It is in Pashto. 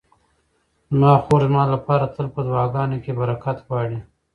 زما خور زما لپاره تل په دعاګانو کې برکت غواړي.